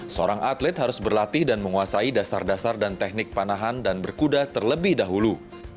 seorang atlet harus berlatih dan menguasai dasar dasar dan teknik panahan dan berkuda terlebih dahulu